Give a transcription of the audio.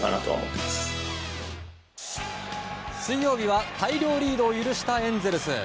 水曜日は大量リードを許したエンゼルス。